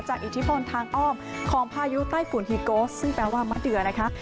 อิทธิพลทางอ้อมของพายุไต้ฝุ่นฮีโกสซึ่งแปลว่ามะเดือนะคะ